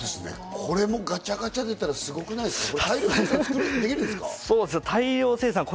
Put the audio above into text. これがガチャガチャで出たらすごくないですか？